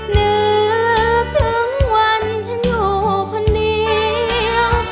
นึกถึงวันฉันอยู่คนเดียว